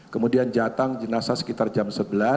kemudian jatang jenasa sekitar jam sebelas